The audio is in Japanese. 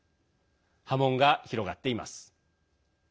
波紋が広がっています。